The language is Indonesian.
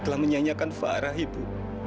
telah menyanyiakan farah ibu